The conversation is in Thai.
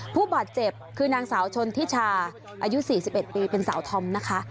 ผู้บาดเจ็บคือนางสาวชนทิชาอายุ๔๑ปีเป็นสาวธอมนะคะ